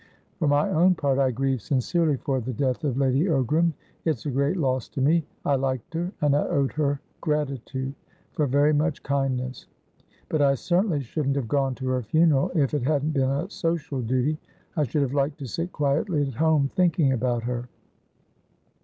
For my own part, I grieve sincerely for the death of Lady Ogram. It's a great loss to me. I liked her, and I owed her gratitude for very much kindness. But I certainly shouldn't have gone to her funeral, if it hadn't been a social duty. I should have liked to sit quietly at home, thinking about her."